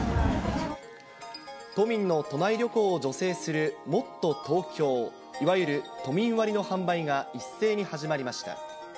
都民の都内旅行を助成する、もっとＴｏｋｙｏ、いわゆる都民割の販売が一斉に始まりました。